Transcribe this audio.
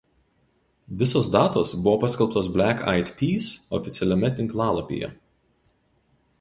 Visos datos buvo paskelbtos „Black Eyed Peas“ oficialiame tinklalapyje.